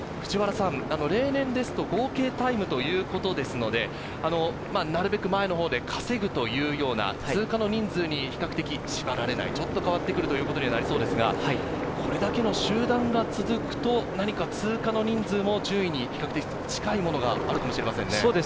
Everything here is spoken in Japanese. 例年ですと合計タイムということですので、なるべく前のほうで稼ぐというような通過の人数に比較的、縛られない、変わってくるということになりそうですが、これだけの集団が続くと何か通過の人数も順位に比較的近いものがあるかもしれませんね。